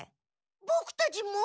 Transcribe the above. ボクたちも？